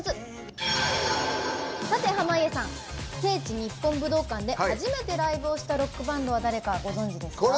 濱家さん、聖地・日本武道館で初めてライブをしたロックバンドは誰かご存じですか？